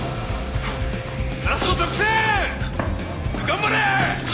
頑張れ！